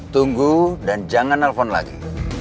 tunggu dan jangan nelfon lagi